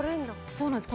そうなんです